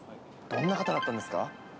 どんな方だったんですか。